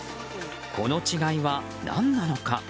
この違いは、何なのか。